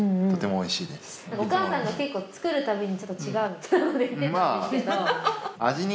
お母さんが結構作るたびにちょっと違うと言ってたんですが。